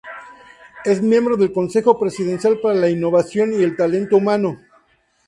Es miembro del Consejo Presidencial para la Innovación y el Talento Humano.